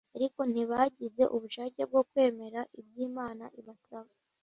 Ariko ntibagize ubushake bwo kwemera ibyo Imana ibasaba